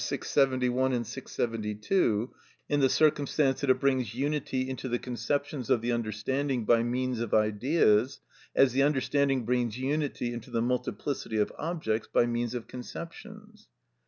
671, 672, in the circumstance that it brings unity into the conceptions of the understanding by means of Ideas, as the understanding brings unity into the multiplicity of objects by means of conceptions.